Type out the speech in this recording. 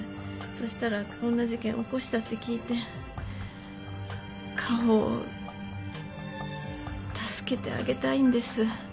そしたらこんな事件起こしたって聞いて果歩を助けてあげたいんです